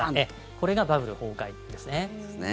これがバブル崩壊ですね。